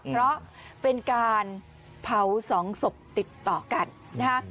เพราะเป็นการเผาสองศพติดต่อกันนะฮะ